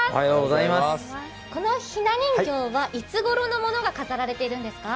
このひな人形はいつごろのものが飾られているんですか。